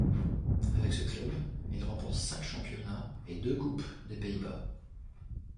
Avec ce club, il remporte cinq championnats et deux Coupes des Pays-Bas.